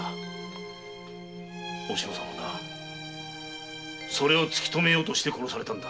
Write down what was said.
おしのさんはなそれを突きとめようとして殺されたんだ。